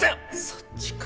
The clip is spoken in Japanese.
そっちか。